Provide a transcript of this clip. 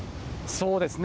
そうですね。